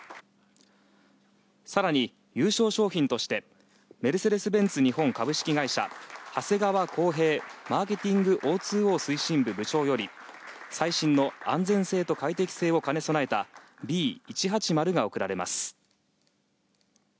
更に、優勝商品としてメルセデス・ベンツ日本株式会社長谷川孝平マーケティング／Ｏ２Ｏ推進部部長より最新の安全性と快適性を兼ね備えたＢ１８０が贈られます。